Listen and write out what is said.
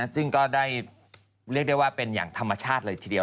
ซึ่งก็ได้เรียกได้ว่าเป็นอย่างธรรมชาติเลยทีเดียว